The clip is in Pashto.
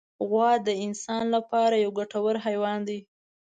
غوا د انسان له پاره یو ګټور حیوان دی.